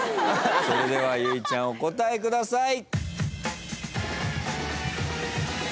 それでは結実ちゃんお答えください。